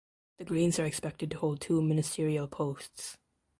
The Greens are expected to hold two ministerial posts.